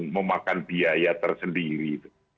memakan biaya tersendiri